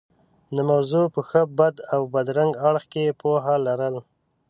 د موضوع په ښه، بد او بدرنګه اړخ کې پوهه لرل.